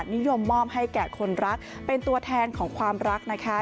นิยมมอบให้แก่คนรักเป็นตัวแทนของความรักนะคะ